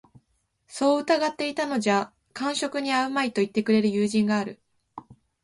そう凝っていたのじゃ間職に合うまい、と云ってくれる友人がある